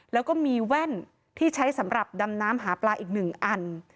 แล้วก็มีแว่นที่ใช้สำหรับดำน้ำหาปลาอีก๑อัน